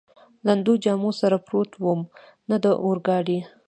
لوندو جامو سره پروت ووم، نه د اورګاډي.